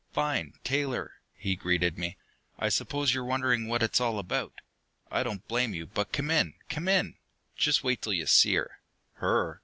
"Fine, Taylor!" he greeted me. "I suppose you're wondering what it's all about. I don't blame you. But come in, come in! Just wait till you see her!" "Her?"